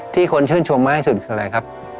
คนชื่นชมมากที่สุดคืออะไรครับ